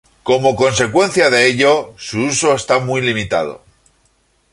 Como consecuencia de ello, su uso está muy limitado.